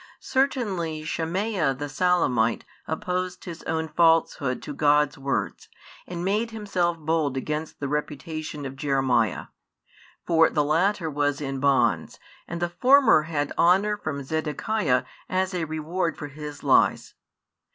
Certainly Shemaiah the Salamite opposed his own falsehood to God's words, and made himself bold against the reputation of Jeremiah; for the latter was in bonds, and the former had honour from Zedekiah as a reward for his lies.